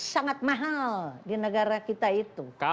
sangat mahal di negara kita itu